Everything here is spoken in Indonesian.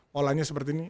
polanya seperti ini